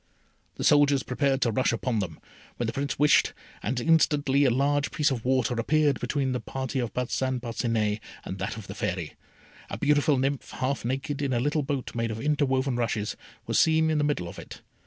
The soldiers prepared to rush upon them, when the Prince wished, and instantly a large piece of water appeared between the party of Parcin Parcinet and that of the Fairy. A beautiful nymph, half naked, in a little boat made of interwoven rushes, was seen in the middle of it.